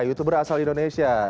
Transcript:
youtuber asal indonesia